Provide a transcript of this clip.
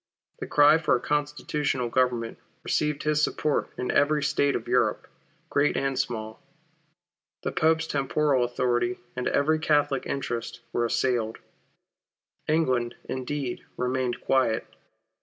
The cry for a constitutional Government received his support in every State of Europe, great and small. The Pope's temporal authority, and every Catholic interest, were assailed. England, indeed, remained quiet.